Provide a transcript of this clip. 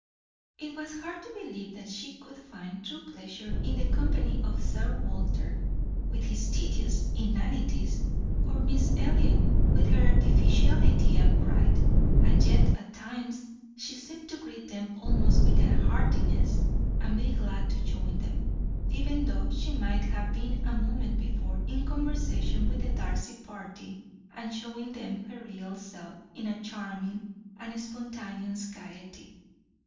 It was hard to believe that she could find true pleasure in the company of Sir Walter, with his tedious inanities, or of Miss Elliot, with her artificiality and pride, and yet at times she seemed to greet them almost with a heartiness, and be glad to join them, even though she might have been a moment before in conversation with the Darcy party and showing them her real self in a charming and spontaneous gaiety.